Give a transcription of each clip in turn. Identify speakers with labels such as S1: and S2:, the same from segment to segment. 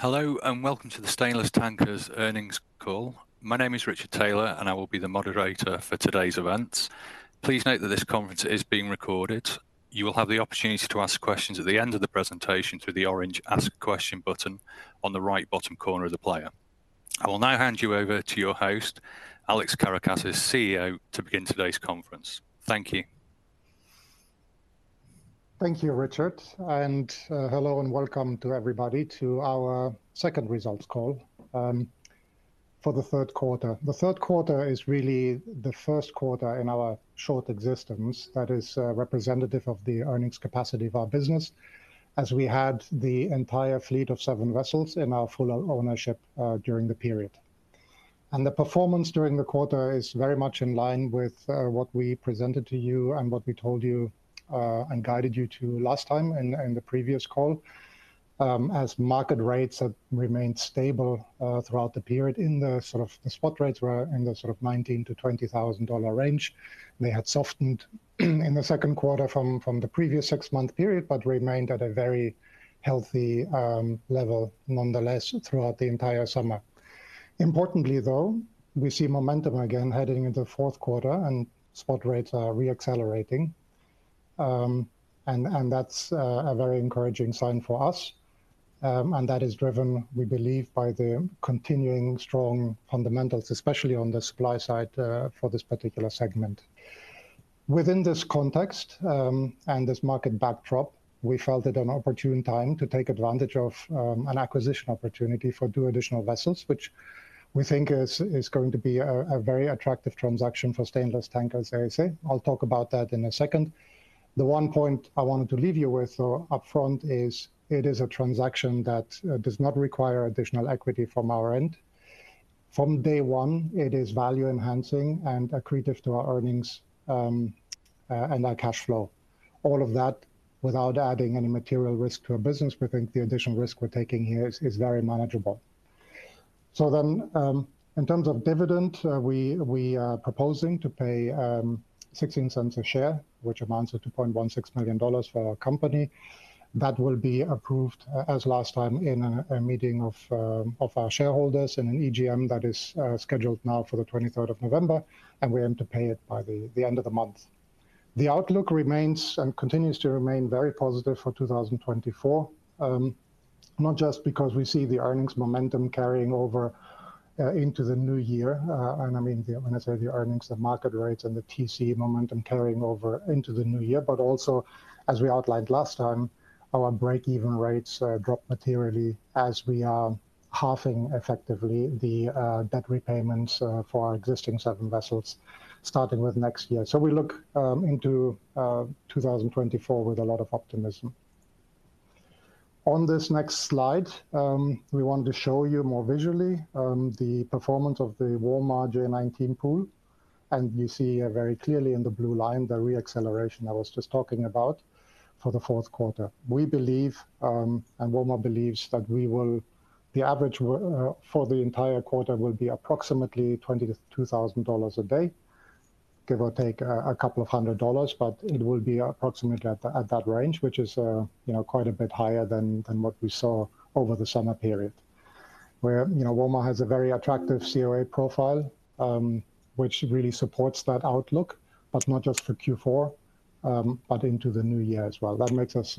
S1: Hello, and welcome to the Stainless Tankers earnings call. My name is Richard Taylor, and I will be the moderator for today's event. Please note that this conference is being recorded. You will have the opportunity to ask questions at the end of the presentation through the orange ask question button on the right bottom corner of the player. I will now hand you over to your host, Alex Karakassis, CEO, to begin today's conference. Thank you.
S2: Thank you, Richard, and hello, and welcome to everybody to our second results call for the 3rd quarter. The 3rd quarter is really the 1st quarter in our short existence that is representative of the earnings capacity of our business, as we had the entire fleet of 7 vessels in our full ownership during the period. The performance during the quarter is very much in line with what we presented to you and what we told you and guided you to last time in the previous call. As market rates have remained stable throughout the period in the sort of the spot rates were in the sort of $19,000-$20,000 range. They had softened in the 2nd quarter from the previous 6 month period, but remained at a very healthy level nonetheless, throughout the entire summer. Importantly, though, we see momentum again heading into the 4th quarter and spot rates are re-accelerating. And that's a very encouraging sign for us. And that is driven, we believe by them continuing strong fundamentals especially on the supply side for this particular segment. Within this context, and this market backdrop, we felt it an opportunity time to take advantage of an acquisition opportunity for two additional vessels, which we think is going to be a very attractive transaction for Stainless Tankers ASA. I'll talk about that in a second. The one point I wanted to leave you with, though, upfront is, it is a transaction that does not require additional equity from our end. From day one, it is value-enhancing and accretive to our earnings, and our cash flow. All of that without adding any material risk to our business. We think the additional risk we're taking here is very manageable. So then, in terms of dividend, we are proposing to pay $0.16 a share, which amounts to $2.16 million for our company. That will be approved, as last time, in a meeting of our shareholders in an EGM that is scheduled now for the 23rd of November, and we aim to pay it by the end of the month. The outlook remains and continues to remain very positive for 2024. Not just because we see the earnings momentum carrying over into the new year, and I mean, when I say the earnings the market rates, and the TC momentum carrying over into the new year, but also, as we outlined last time, our break-even rates drop materially as we are halving, effectively, the debt repayments for our existing 7 vessels, starting with next year. So we look into 2024 with a lot of optimism. On this next slide, we wanted to show you more visually the performance of the WOMAR J19 pool, and you see very clearly in the blue line, the re-acceleration I was just talking about for the 4th quarter. We believe, and WOMAR believes that the average for the entire quarter will be approximately $22,000 a day, give or take a couple of hundred dollars, but it will be approximately at that range, which is, you know, quite a bit higher than what we saw over the summer period. Where, you know, WOMAR has a very attractive COA profile, which really supports that outlook, but not just for Q4, but into the new year as well. That makes us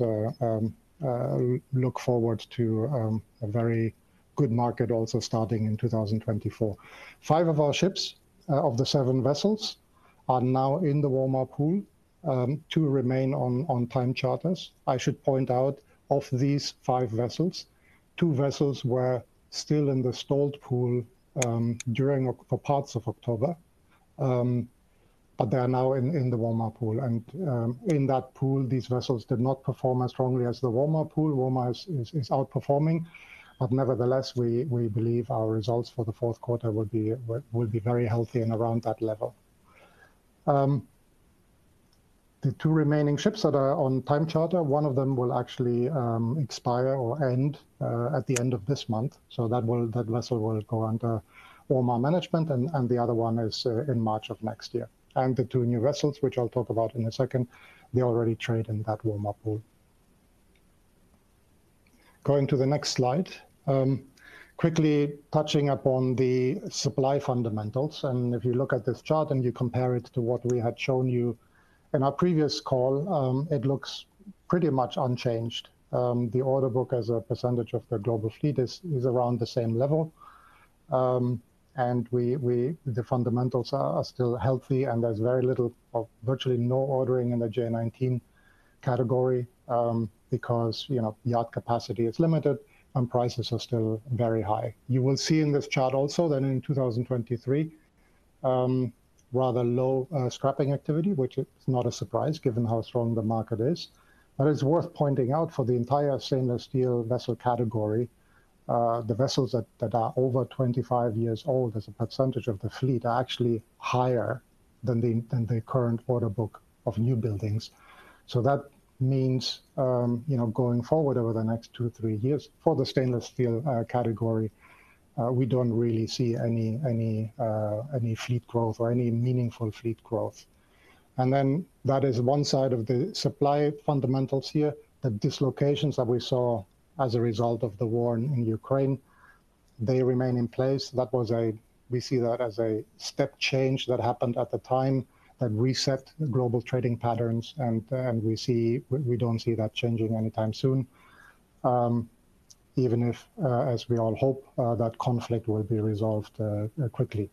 S2: look forward to a very good market also starting in 2024. Five of our ships, of the seven vessels, are now in the WOMAR pool. Two remain on time charters. I should point out of these 5 vessels, 2 vessels were still in the Stainless pool during for parts of October. But they are now in the WOMAR pool, and in that pool, these vessels did not perform as strongly as the WOMAR pool. WOMAR is outperforming, but nevertheless we believe our results for the 4th quarter will be very healthy and around that level. The two remaining ships that are on time charter, one of them will actually expire or end at the end of this month. So that will that vessel will go under WOMAR management, and the other one is in March of next year. And the two new vessels which I'll talk about in a second, they already trade in that WOMAR pool. Going to the next slide. Quickly touching upon the supply fundamentals, and if you look at this chart and you compare it to what we had shown you in our previous call, it looks pretty much unchanged. The order book as a percentage of the global fleet is around the same level. The fundamentals are still healthy, and there's very little or virtually no ordering in the J19 category, because, you know, yard capacity is limited and prices are still very high. You will see in this chart also that in 2023, rather low scrapping activity, which is not a surprise, given how strong the market is. But it's worth pointing out for the entire stainless steel vessel category, the vessels that are over 25 years old as a percentage of the fleet are actually higher than the current order book of new buildings. So that means, you know, going forward over the next 2-3 years, for the stainless steel category, we don't really see any fleet growth or any meaningful fleet growth. And then that is one side of the supply fundamentals here. The dislocations that we saw as a result of the war in Ukraine, they remain in place. That was a step change that happened at the time that reset global trading patterns, and we don't see that changing anytime soon, even if, as we all hope that conflict will be resolved quickly.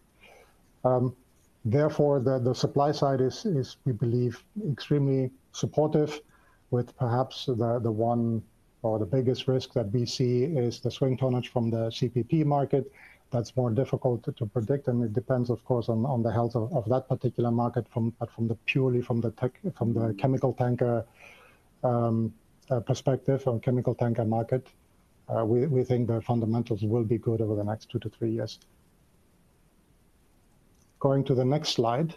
S2: Therefore, the supply side is we believe extremely supportive, with perhaps the one or the biggest risk that we see is the swing tonnage from the CPP market. That's more difficult to predict, and it depends, of course, on the health of that particular market. But from the purely chemical tanker perspective on chemical tanker market, we think the fundamentals will be good over the next 2-3 years. Going to the next slide,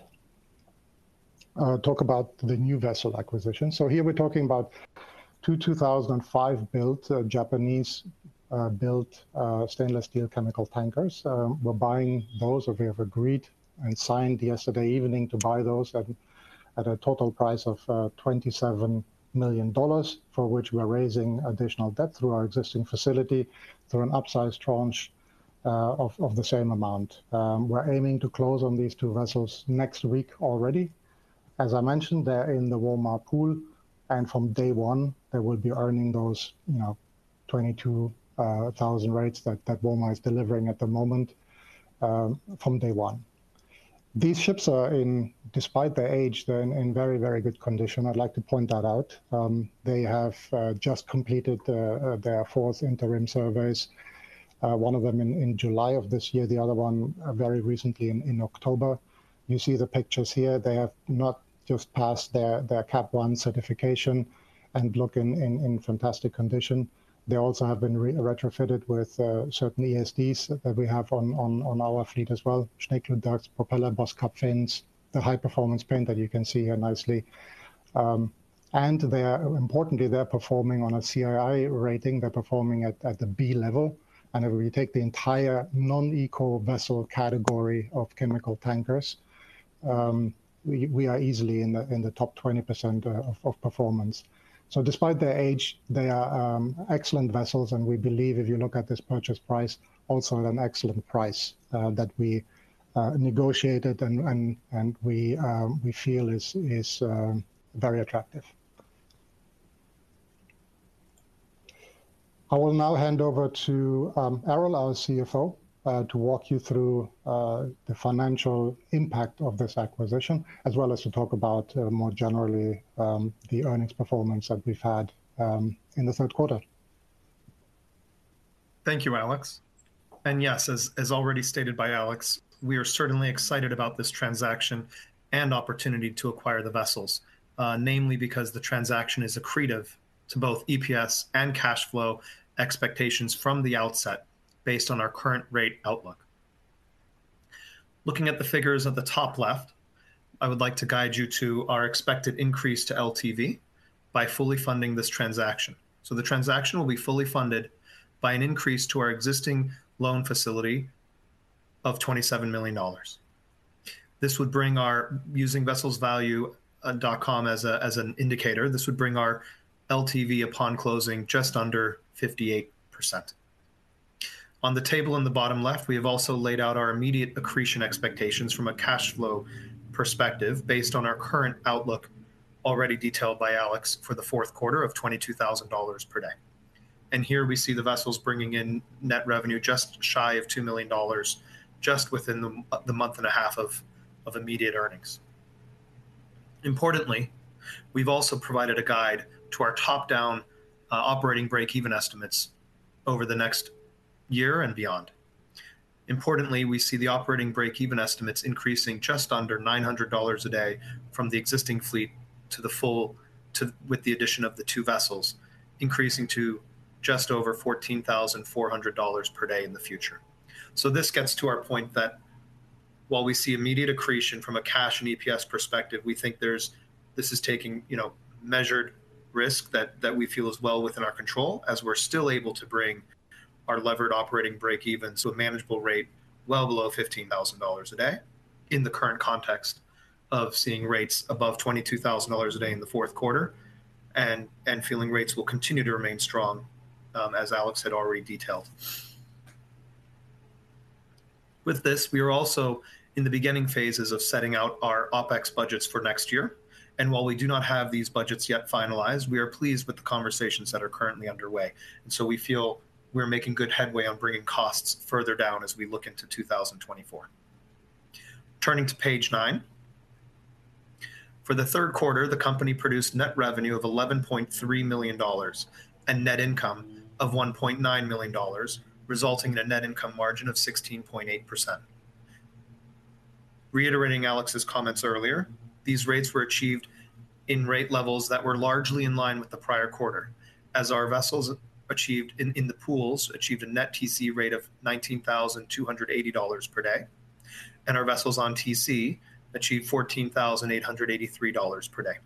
S2: I'll talk about the new vessel acquisition. So here we're talking about 2 2005-built Japanese built stainless steel chemical tankers. We're buying those, or we have agreed and signed yesterday evening to buy those at a total price of $27 million for which we are raising additional debt through our existing facility through an upsized tranche of the same amount. We're aiming to close on these 2 vessels next week already. As I mentioned, they're in the WOMAR pool, and from day one, they will be earning those, you know, 22,000 rates that WOMAR is delivering at the moment from day one. These ships are in, despite their age, they're in very, very good condition. I'd like to point that out. They have just completed their fourth interim surveys, one of them in July of this year, the other one very recently in October. You see the pictures here. They have not just passed their CAP ONE certification and look in fantastic condition. They also have been retrofitted with certain ESDs that we have on our fleet as well: Schneekluth ducts, propeller boss cap fins, the high-performance paint that you can see here nicely. Importantly, they're performing on a CII rating. They're performing at the B level. If we take the entire non-eco vessel category of chemical tankers, we are easily in the top 20% of performance. So despite their age, they are excellent vessels, and we believe if you look at this purchase price, also at an excellent price that we negotiated and we feel is very attractive. I will now hand over to Erol, our CFO, to walk you through the financial impact of this acquisition, as well as to talk about, more generally, the earnings performance that we've had in the 3rd quarter.
S3: Thank you, Alex. Yes, as already stated by Alex, we are certainly excited about this transaction and opportunity to acquire the vessels, namely because the transaction is accretive to both EPS and cash flow expectations from the outset, based on our current rate outlook. Looking at the figures at the top left, I would like to guide you to our expected increase to LTV by fully funding this transaction. The transaction will be fully funded by an increase to our existing loan facility of $27 million. This would bring our using VesselsValue.com as an indicator, this would bring our LTV upon closing just under 58%. On the table in the bottom left, we have also laid out our immediate accretion expectations from a cash flow perspective, based on our current outlook, already detailed by Alex, for the fourth quarter of $22,000 per day. Here we see the vessels bringing in net revenue just shy of $2 million, just within the month and a half of immediate earnings. Importantly, we've also provided a guide to our top-down operating break-even estimates over the next year and beyond. Importantly, we see the operating break-even estimates increasing just under $900 a day from the existing fleet to with the addition of the two vessels, increasing to just over $14,400 per day in the future. So this gets to our point that while we see immediate accretion from a cash and EPS perspective, we think there's this is taking, you know, measured risk that, that we feel is well within our control, as we're still able to bring our levered operating breakeven to a manageable rate well below $15,000 a day, in the current context of seeing rates above $22,000 a day in the 4th quarter, and, and feeling rates will continue to remain strong, as Alex had already detailed. With this, we are also in the beginning phases of setting out our OpEx budgets for next year, and while we do not have these budgets yet finalized, we are pleased with the conversations that are currently underway. So we feel we're making good headway on bringing costs further down as we look into 2024. Turning to page nine. For the 3rd quarter, the company produced net revenue of $11.3 million and net income of $1.9 million, resulting in a net income margin of 16.8%. Reiterating Alex's comments earlier, these rates were achieved in rate levels that were largely in line with the prior quarter, as our vessels in the pools achieved a net TC rate of $19,280 per day, and our vessels on TC achieved $14,883 per day.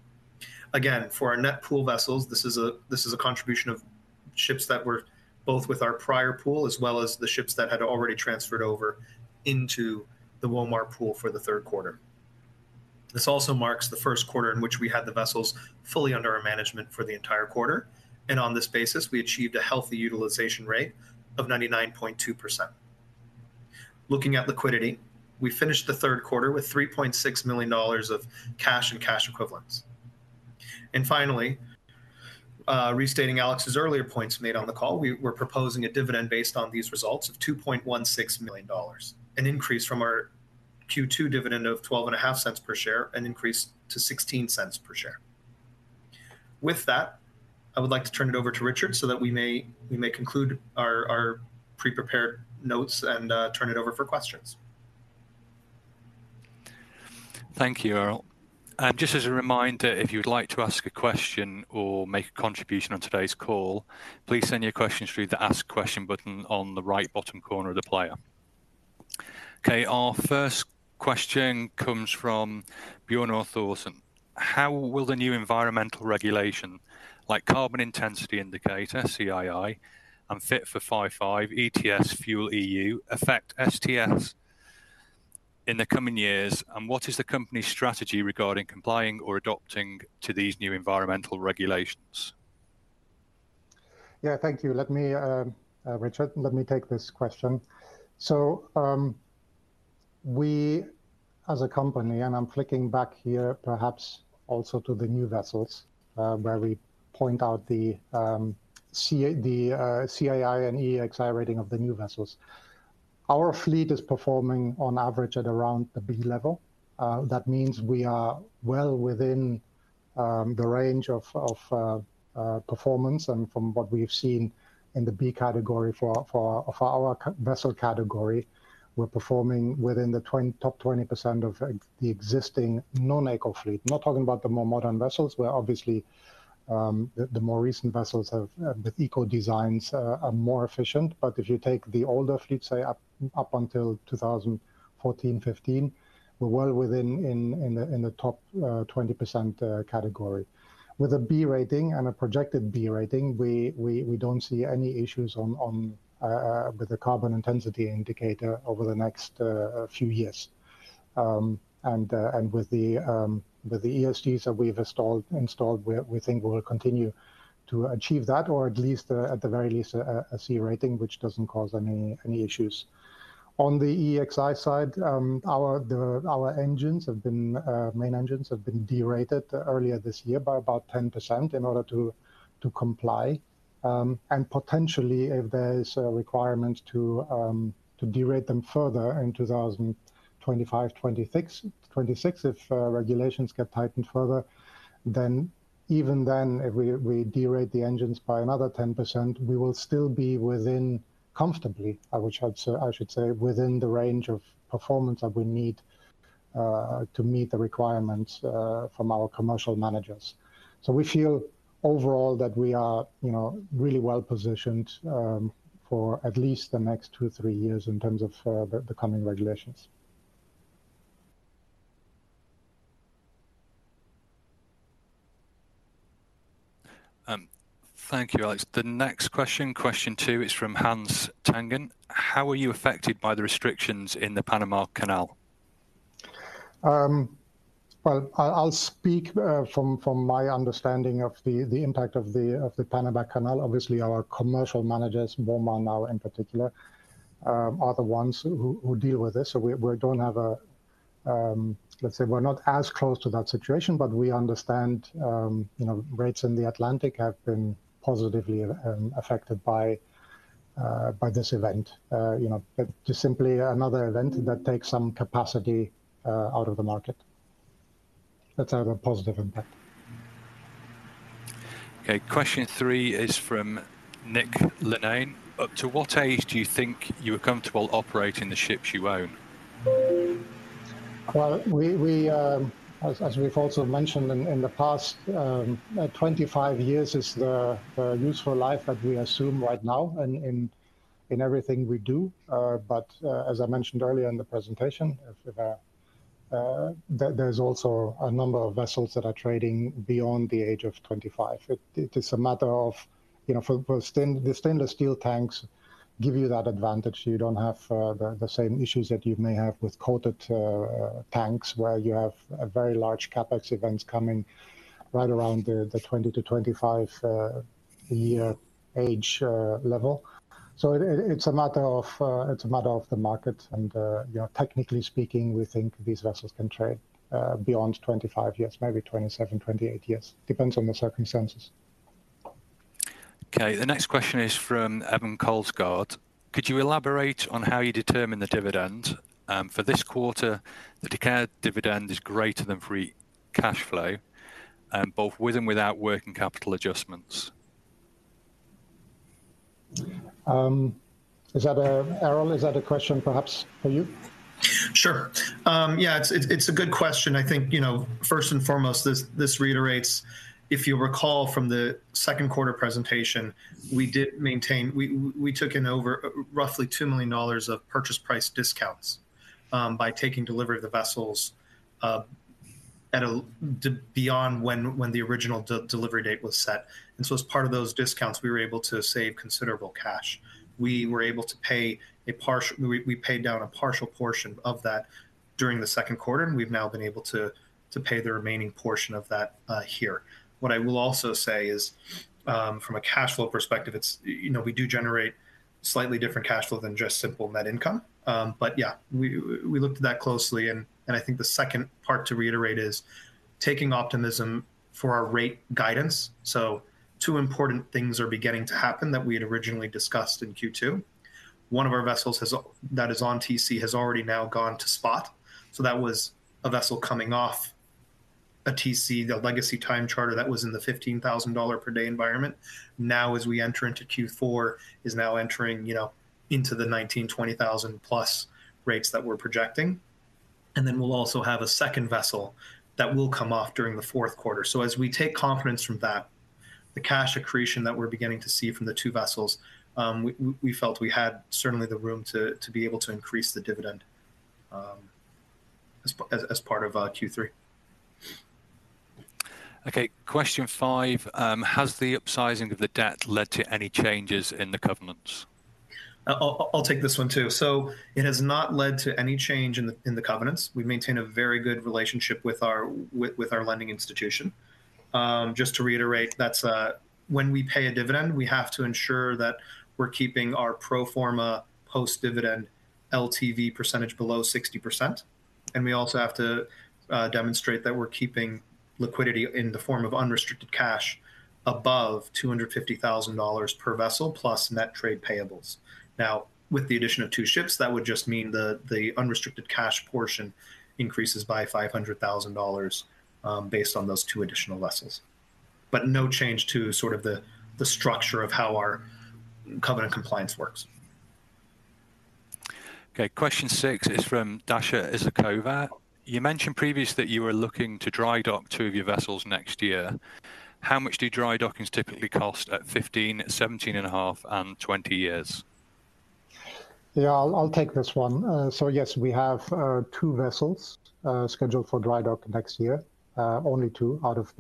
S3: Again, for our net pool vessels, this is a contribution of ships that were both with our prior pool, as well as the ships that had already transferred over into the WOMAR pool for the 3rd quarter. This also marks the 1st quarter in which we had the vessels fully under our management for the entire quarter, and on this basis, we achieved a healthy utilization rate of 99.2%. Looking at liquidity, we finished the 3rd quarter with $3.6 million of cash and cash equivalents. Finally, restating Alex's earlier points made on the call, we're proposing a dividend based on these results of $2.16 million, an increase from our Q2 dividend of $0.125 per share, an increase to $0.16 per share. With that, I would like to turn it over to Richard, so that we may conclude our pre-prepared notes and turn it over for questions.
S1: Thank you, Erol. And just as a reminder, if you'd like to ask a question or make a contribution on today's call, please send your questions through the ask question button on the right bottom corner of the player. Okay, our first question comes from Bjorn Thorsten. How will the new environmental regulation, like carbon intensity indicator, CII, and fit for 55 ETS FuelEU, affect STST in the coming years? And what is the company's strategy regarding complying or adopting to these new environmental regulations?
S2: Yeah, thank you. Let me, Richard, let me take this question. So, we, as a company, and I'm flicking back here, perhaps also to the new vessels, where we point out the CI, the CII and EEXI rating of the new vessels. Our fleet is performing on average at around the B level. That means we are well within the range of performance and from what we've seen in the B category for our vessel category, we're performing within the top 20% of the existing non-eco fleet. Not talking about the more modern vessels, where obviously the more recent vessels have the eco designs are more efficient. But if you take the older fleet, say, up until 2014, 15, we're well within the top 20% category. With a B rating and a projected B rating, we don't see any issues with the Carbon Intensity Indicator over the next few years. And with the ESDs that we've installed, we think we will continue to achieve that, or at least a C rating, which doesn't cause any issues. On the EEXI side, our main engines have been derated earlier this year by about 10% in order to comply. And potentially, if there is a requirement to derate them further in 2025-2026, if regulations get tightened further, then even then, if we derate the engines by another 10%, we will still be within, comfortably, I should say, within the range of performance that we need to meet the requirements from our commercial managers. So we feel overall that we are, you know, really well-positioned for at least the next 2-3 years in terms of the coming regulations.
S1: Thank you, Alex. The next question, question two, is from Hans Tangen. How were you affected by the restrictions in the Panama Canal?
S2: Well, I'll speak from my understanding of the impact of the Panama Canal. Obviously, our commercial managers, WOMAR now in particular, are the ones who deal with this. So we don't have a let's say we're not as close to that situation, but we understand, you know, rates in the Atlantic have been positively affected by this event. You know, but just simply another event that takes some capacity out of the market. That's had a positive impact.
S1: Okay, question three is from Nick Lennane. Up to what age do you think you are comfortable operating the ships you own?
S2: Well, as we've also mentioned in the past, 25 years is the useful life that we assume right now in everything we do. But as I mentioned earlier in the presentation, there's also a number of vessels that are trading beyond the age of 25. It is a matter of, you know, the stainless steel tanks give you that advantage. You don't have the same issues that you may have with coated tanks, where you have a very large CapEx events coming right around the 20-25 year age level. So it's a matter of the market, and you know, technically speaking, we think these vessels can trade beyond 25 years, maybe 27, 28 years. Depends on the circumstances.
S1: Okay, the next question is from Eivind Kolsgard. Could you elaborate on how you determine the dividend? For this quarter, the declared dividend is greater than free cash flow, both with and without working capital adjustments.
S2: Erol, is that a question perhaps for you?
S3: Sure. Yeah, it's a good question. I think, you know, first and foremost, this reiterates, if you recall from the 2nd quarter presentation, we took in over roughly $2 million of purchase price discounts by taking delivery of the vessels beyond when the original delivery date was set. And so as part of those discounts, we were able to save considerable cash. We paid down a partial portion of that during the 2nd quarter, and we've now been able to pay the remaining portion of that here. What I will also say is, from a cash flow perspective, it's, you know, we do generate slightly different cash flow than just simple net income. But yeah, we, we looked at that closely, and, and I think the second part to reiterate is taking optimism for our rate guidance. So two important things are beginning to happen that we had originally discussed in Q2. One of our vessels has, that is on TC, has already now gone to spot, so that was a vessel coming off a TC, the legacy time charter, that was in the $15,000 per day environment. Now, as we enter into Q4, is now entering, you know, into the $19,000-$20,000+ rates that we're projecting. And then we'll also have a second vessel that will come off during the 4th quarter. So as we take confidence from that, the cash accretion that we're beginning to see from the 2 vessels, we felt we had certainly the room to be able to increase the dividend, as part of Q3.
S1: Okay, question five. Has the upsizing of the debt led to any changes in the covenants?
S3: I'll take this one, too. So it has not led to any change in the, in the covenants. We maintain a very good relationship with our, with, with our lending institution. Just to reiterate, that's when we pay a dividend, we have to ensure that we're keeping our pro forma post-dividend LTV percentage below 60%, and we also have to demonstrate that we're keeping liquidity in the form of unrestricted cash above $250,000 per vessel, plus net trade payables. Now, with the addition of two ships, that would just mean the, the unrestricted cash portion increases by $500,000, based on those two additional vessels. But no change to sort of the, the structure of how our covenant compliance works.
S1: Okay, question six is from Dasha Iskova. You mentioned previously that you were looking to dry dock two of your vessels next year. How much do dry dockings typically cost at 15, 17.5, and 20 years?
S2: Yeah, I'll take this one. So yes, we have 2 vessels scheduled for dry dock next year. They are the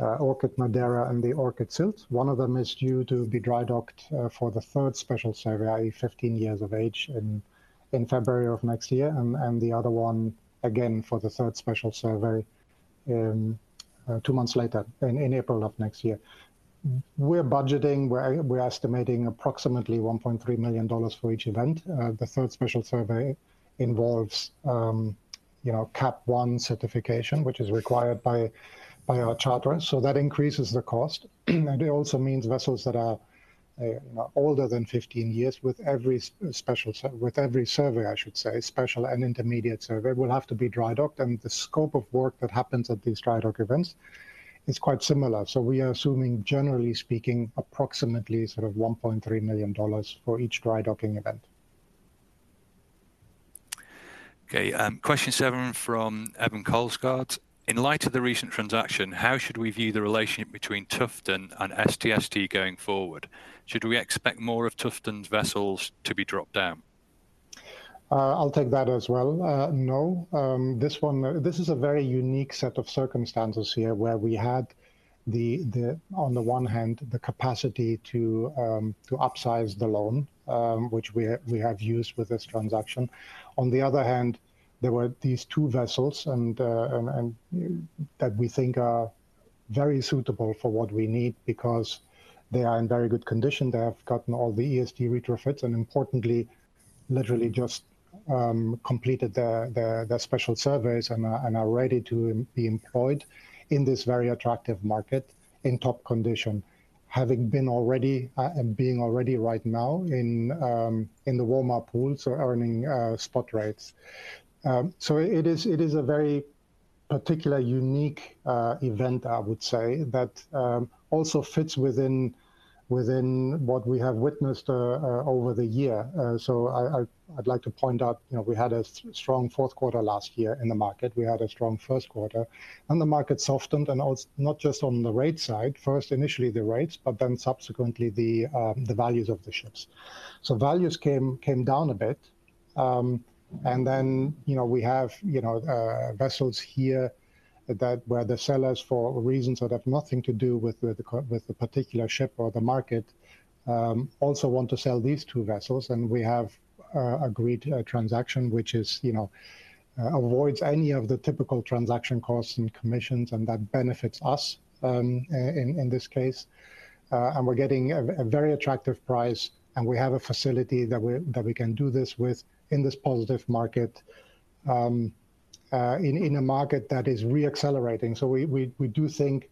S2: Orchid Madeira and the Orchid Sylt. One of them is due to be dry docked for the third special survey, i.e., 15 years of age, in February of next year, and the other one, again, for the third special survey, 2 months later, in April of next year. We're budgeting, we're estimating approximately $1.3 million for each event. The third special survey involves, you know, CAP One certification, which is required by our charterer, so that increases the cost. It also means vessels that are older than 15 years with every survey, I should say, special and intermediate survey, will have to be dry docked, and the scope of work that happens at these dry docking events is quite similar. We are assuming, generally speaking, approximately sort of $1.3 million for each dry docking event.
S1: Okay, question seven from Evan Kolsgard. In light of the recent transaction, how should we view the relationship between Tufton and STST going forward? Should we expect more of Tufton's vessels to be dropped down?
S2: I'll take that as well. No, this one, this is a very unique set of circumstances here, where we had on the one hand, the capacity to upsize the loan, which we have used with this transaction. On the other hand, there were these 2 vessels that we think are very suitable for what we need because they are in very good condition. They have gotten all the ESG retrofits, and importantly, literally just completed their special surveys and are ready to be employed in this very attractive market in top condition. Having been already and being already right now in the WOMAR pool, so earning spot rates. So it is a very particular unique event, I would say, that also fits within what we have witnessed over the year. So I'd like to point out, you know, we had a strong 4th quarter last year in the market. We had a strong 1st quarter, and the market softened, and also not just on the rate side, first, initially the rates, but then subsequently the values of the ships. So values came down a bit. And then, you know, we have, you know, vessels here that, where the sellers, for reasons that have nothing to do with the with the particular ship or the market, also want to sell these 2 vessels, and we have agreed a transaction, which is, you know, avoids any of the typical transaction costs and commissions, and that benefits us, in this case. And we're getting a very attractive price, and we have a facility that that we can do this with in this positive market, in a market that is reaccelerating. So we do think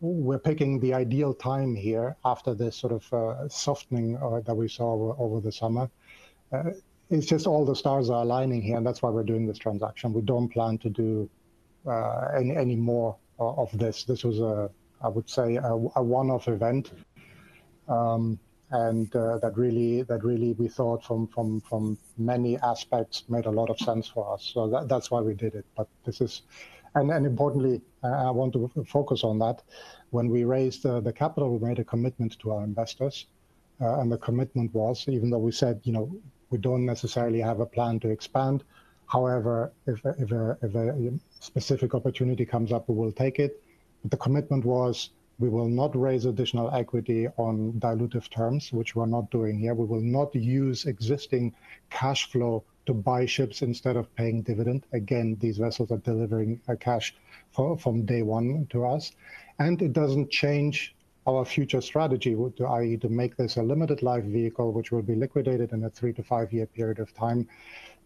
S2: we're picking the ideal time here after this sort of softening that we saw over the summer. It's just all the stars are aligning here, and that's why we're doing this transaction. We don't plan to do any more of this. This was a, I would say, a one-off event, and that really, we thought from many aspects, made a lot of sense for us, so that's why we did it. But this is, and importantly, and I want to focus on that, when we raised the capital, we made a commitment to our investors. And the commitment was, even though we said, you know, we don't necessarily have a plan to expand, however, if a specific opportunity comes up, we will take it. The commitment was, we will not raise additional equity on dilutive terms, which we're not doing here. We will not use existing cash flow to buy ships instead of paying dividend. Again, these vessels are delivering a cash flow from day one to us, and it doesn't change our future strategy, with to i.e., to make this a limited live vehicle, which will be liquidated in a 3-5 year period of time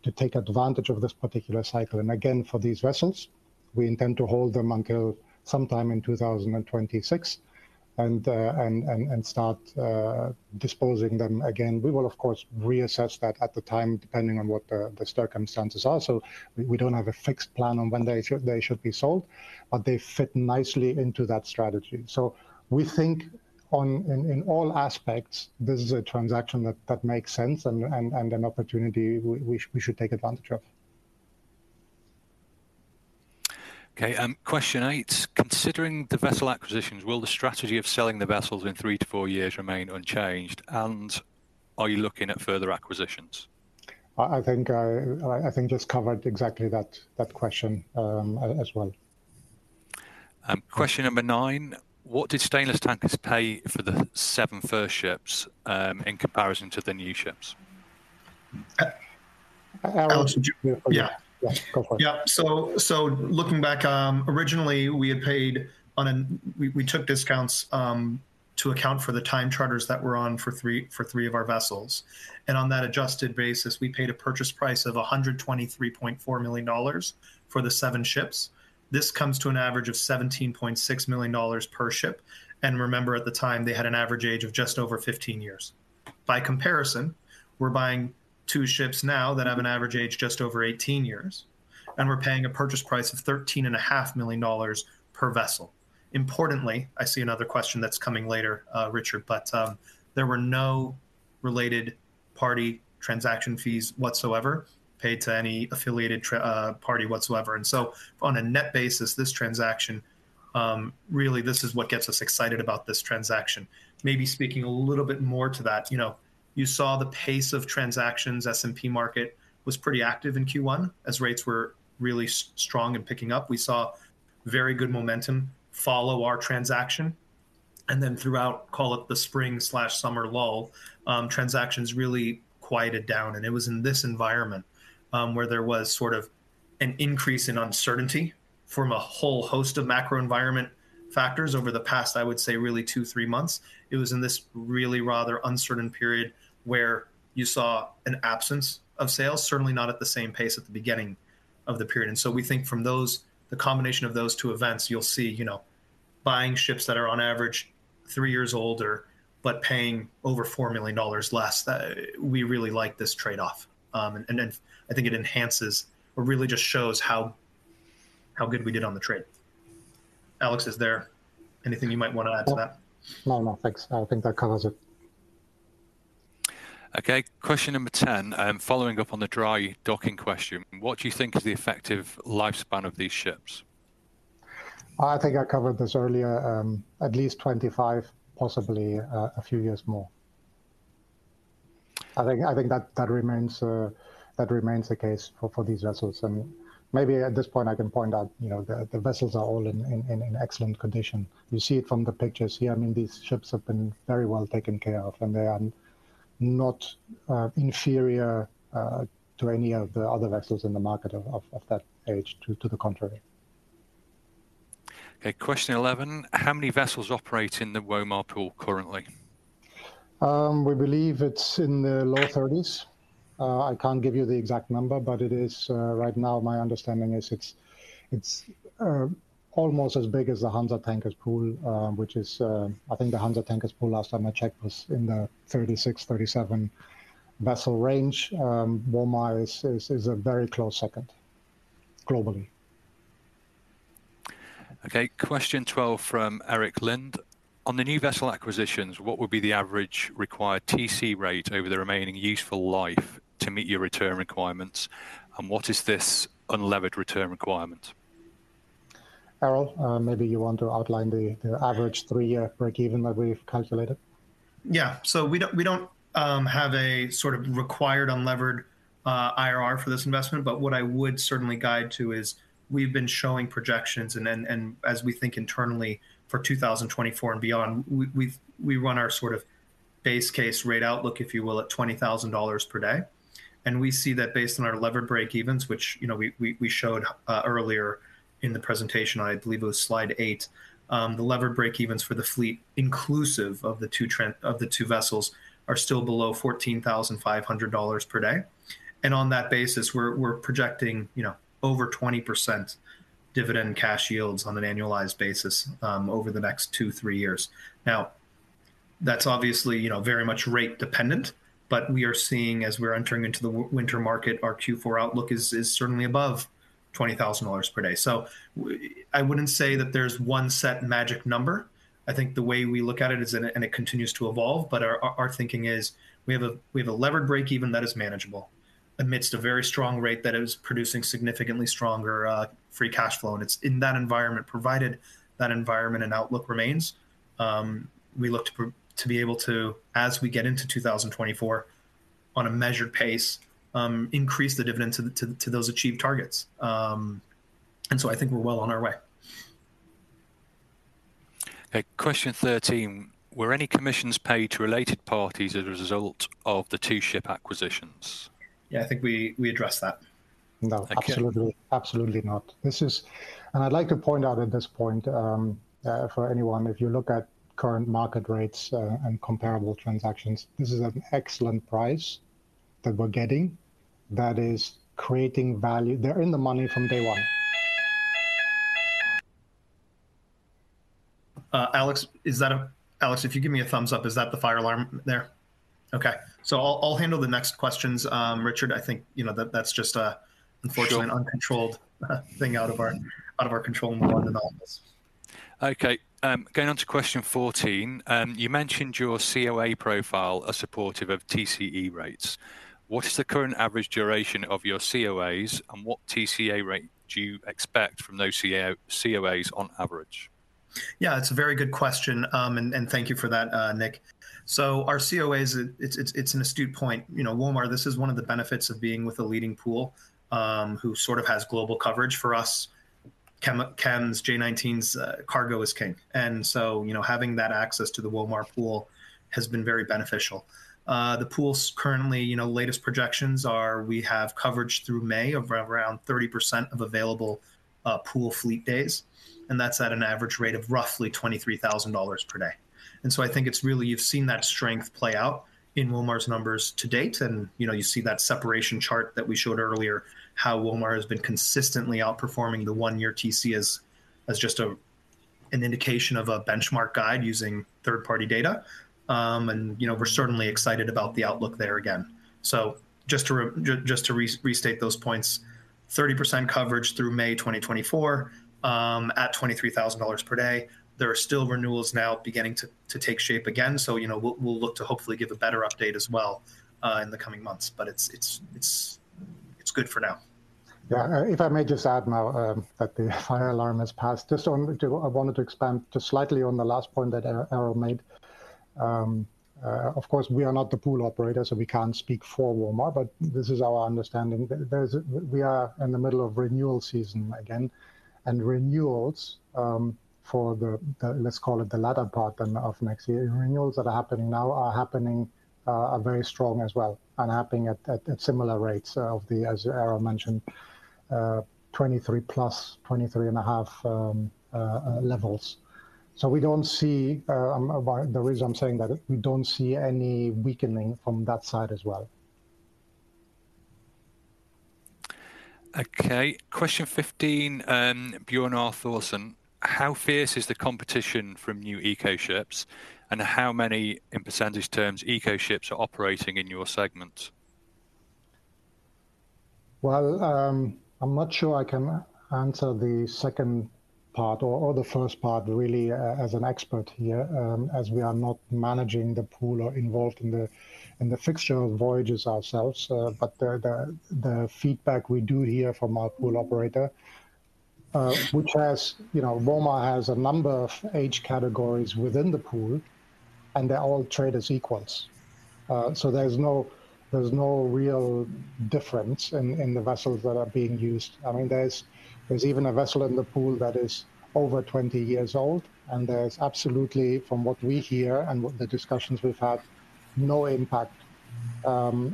S2: to take advantage of this particular cycle. And again, for these vessels, we intend to hold them until sometime in 2026, and disposing them again. We will, of course, reassess that at the time, depending on what the circumstances are. So we don't have a fixed plan on when they should be sold, but they fit nicely into that strategy. So we think in all aspects, this is a transaction that makes sense and an opportunity we should take advantage of.
S1: Okay, question 8: Considering the vessel acquisitions, will the strategy of selling the vessels in 3-4 years remain unchanged, and are you looking at further acquisitions?
S2: I think I just covered exactly that question as well.
S1: Question number nine: What did Stainless Tankers pay for the seven first ships, in comparison to the new ships?
S2: Alex, would you?
S3: Yeah.
S2: Yeah, go for it.
S3: Yeah. So, looking back, originally, we had paid on. [And] we took discounts to account for the time charters that were on for three, for three of our vessels. And on that adjusted basis, we paid a purchase price of $123.4 million for the 7 ships. This comes to an average of $17.6 million per ship, and remember, at the time, they had an average age of just over 15 years. By comparison, we're buying 2 ships now that have an average age just over 18 years, and we're paying a purchase price of $13.5 million per vessel. Importantly, I see another question that's coming later, Richard, but there were no related party transaction fees whatsoever paid to any affiliated party whatsoever, and so on a net basis, this transaction really, this is what gets us excited about this transaction. Maybe speaking a little bit more to that, you know, you saw the pace of transactions, S&P market was pretty active in Q1 as rates were really strong and picking up. We saw very good momentum follow our transaction, and then throughout, call it the spring/summer lull, transactions really quieted down, and it was in this environment where there was sort of an increase in uncertainty from a whole host of macro environment factors over the past, I would say, really 2- 3 months. It was in this really rather uncertain period where you saw an absence of sales, certainly not at the same pace at the beginning of the period. And so we think from those, the combination of those two events, you'll see, you know, buying ships that are on average 3 years older, but paying over $4 million less. We really like this trade-off. And then I think it enhances or really just shows how, how good we did on the trade. Alex, is there anything you might want to add to that?
S2: No, no, thanks. I think that covers it.
S1: Okay, question number 10: Following up on the dry docking question, what do you think is the effective lifespan of these ships?
S2: I think I covered this earlier, at least 25, possibly a few years more. I think that remains the case for these vessels. Maybe at this point, I can point out, you know, the vessels are all in excellent condition. You see it from the pictures here. I mean, these ships have been very well taken care of, and they are not inferior to any of the other vessels in the market of that age, to the contrary.
S1: Okay, question 11: How many vessels operate in the WOMAR pool currently?
S2: We believe it's in the low 30s. I can't give you the exact number, but it is, right now, my understanding is it's almost as big as the Hansa Tankers pool, which is, I think the Hansa Tankers pool, last time I checked, was in the 36-37 vessel range. WOMAR is a very close second, globally.
S1: Okay, question 12 from Erik Lind: On the new vessel acquisitions, what would be the average required TC rate over the remaining useful life to meet your return requirements, and what is this unlevered return requirement?
S2: Erol, maybe you want to outline the average 3 year break even that we've calculated.
S3: Yeah. So we don't have a sort of required unlevered IRR for this investment, but what I would certainly guide to is we've been showing projections, and as we think internally for 2024 and beyond, we run our sort of base case rate outlook, if you will, at $20,000 per day. And we see that based on our levered breakevens, which, you know, we showed earlier in the presentation, I believe it was slide 8. The levered breakevens for the fleet, inclusive of the two vessels, are still below $14,500 per day. And on that basis, we're projecting, you know, over 20% dividend cash yields on an annualized basis over the next 2-3 years. Now, that's obviously, you know, very much rate dependent, but we are seeing as we're entering into the winter market, our Q4 outlook is certainly above $20,000 per day. So I wouldn't say that there's one set magic number. I think the way we look at it is, and it continues to evolve, but our thinking is we have a levered break even that is manageable. Amidst a very strong rate that is producing significantly stronger free cash flow, and it's in that environment, provided that environment and outlook remains, we look to be able to, as we get into 2024, on a measured pace, increase the dividend to those achieved targets. And so I think we're well on our way.
S1: Okay, question 13: Were any commissions paid to related parties as a result of the 2 ship acquisitions?
S3: Yeah, I think we addressed that.
S2: No, absolutely.
S1: Thank you.
S2: Absolutely not. This is, and I'd like to point out at this point, for anyone, if you look at current market rates, and comparable transactions, this is an excellent price that we're getting that is creating value. They're in the money from day one.
S3: Alex, is that a, Alex, if you give me a thumbs up, is that the fire alarm there? Okay, so I'll handle the next questions. Richard, I think, you know, that, that's just a..
S1: Sure...
S3: unfortunate, uncontrolled thing out of our, out of our control more than all this.
S1: Okay, going on to question 14: You mentioned your COA profile are supportive of TCE rates. What is the current average duration of your COAs, and what TCE rate do you expect from those COAs on average?
S3: Yeah, it's a very good question, and thank you for that, Nick. So our COAs, it's an astute point. You know, WOMAR, this is one of the benefits of being with a leading pool, who sort of has global coverage for us. WOMAR's J19s, cargo is king, and so, you know, having that access to the WOMAR pool has been very beneficial. The pool's currently, you know, latest projections are we have coverage through May of around 30% of available, pool fleet days, and that's at an average rate of roughly $23,000 per day. I think it's really you've seen that strength play out in WOMAR's numbers to date, and, you know, you see that separation chart that we showed earlier, how WOMAR has been consistently outperforming the 1 year TC as just an indication of a benchmark guide using third-party data. And, you know, we're certainly excited about the outlook there again. So just to restate those points, 30% coverage through May 2024, at $23,000 per day. There are still renewals now beginning to take shape again, so, you know, we'll look to hopefully give a better update as well, in the coming months, but it's good for now.
S2: Yeah, if I may just add now, that the fire alarm has passed. Just onto, I wanted to expand just slightly on the last point that Erol made. Of course, we are not the pool operator, so we can't speak for WOMAR, but this is our understanding. We are in the middle of renewal season again, and renewals for the, let's call it the latter part then of next year, renewals that are happening now are very strong as well and happening at similar rates to the, as Erol mentioned, $23+, $23.5 levels. So we don't see, the reason I'm saying that, we don't see any weakening from that side as well.
S1: Okay, question 15, Bjorn Arthursen: How fierce is the competition from new eco ships, and how many, in percentage terms, eco ships are operating in your segment?
S2: Well, I'm not sure I can answer the second part or the first part really as an expert here, as we are not managing the pool or involved in the fixture of voyages ourselves, but the feedback we do hear from our pool operator, which has, you know, WOMAR has a number of age categories within the pool, and they all trade as equals. So there's no real difference in the vessels that are being used. I mean, there's even a vessel in the pool that is over 20 years old, and there's absolutely, from what we hear and what the discussions we've had, no impact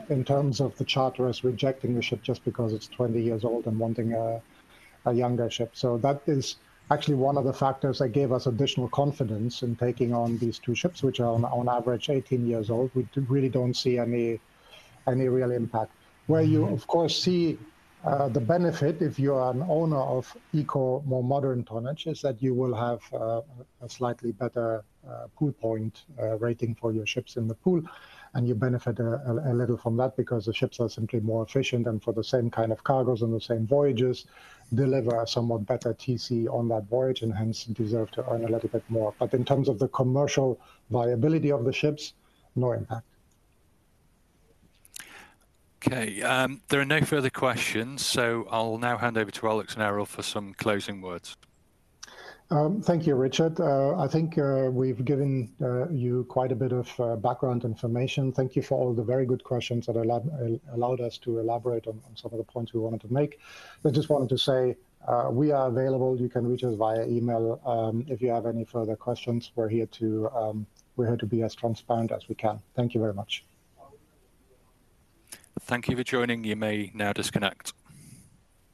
S2: in terms of the charterers rejecting the ship just because it's 20 years old and wanting a younger ship. So that is actually one of the factors that gave us additional confidence in taking on these 2 ships, which are on average 18 years old. We really don't see any real impact. Where you, of course, see the benefit if you are an owner of eco, more modern tonnage, is that you will have a slightly better pool point rating for your ships in the pool, and you benefit a little from that because the ships are simply more efficient and for the same kind of cargoes and the same voyages, deliver a somewhat better TC on that voyage and hence deserve to earn a little bit more. But in terms of the commercial viability of the ships, no impact.
S1: Okay, there are no further questions, so I'll now hand over to Alex and Erol for some closing words.
S2: Thank you, Richard. I think we've given you quite a bit of background information. Thank you for all the very good questions that allowed us to elaborate on some of the points we wanted to make. I just wanted to say we are available. You can reach us via email if you have any further questions. We're here to be as transparent as we can. Thank you very much.
S1: Thank you for joining. You may now disconnect.